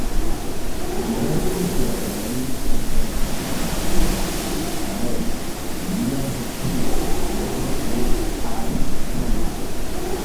Li restis la plej potenca homo en la ŝipfarejo, lia socia prestiĝo plu ascendis.